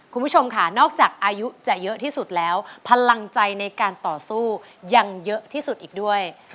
คุณผู้ชมค่ะนอกจากอายุจะเยอะที่สุดแล้วพลังใจในการต่อสู้ยังเยอะที่สุดอีกด้วย